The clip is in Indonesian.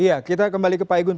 iya kita kembali ke pak igun